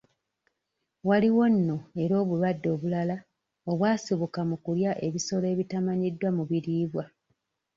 Waliwo nno era obulwadde obulala obwasibuka mu kulya ebisolo ebitamanyiddwa mu biriibwa.